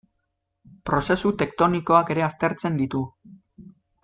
Prozesu tektonikoak ere aztertzen ditu.